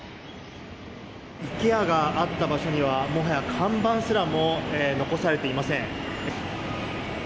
ＩＫＥＡがあった場所にはもはや看板すらも残されていません。